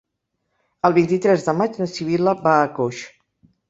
El vint-i-tres de maig na Sibil·la va a Coix.